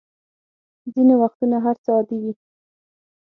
ځینې وختونه هر څه عادي وي.